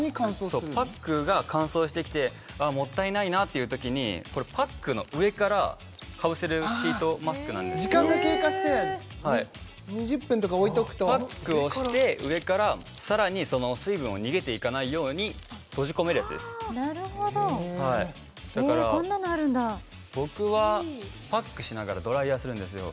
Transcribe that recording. そうパックが乾燥してきてもったいないなっていう時にこれパックの上からかぶせるシートマスクなんですけど時間が経過して２０分とか置いておくとパックをして上からさらにその水分を逃げていかないように閉じ込めるやつですなるほどへえこんなのあるんだはいだから僕はパックしながらドライヤーするんですよ